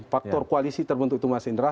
faktor koalisi terbentuk itu mas indra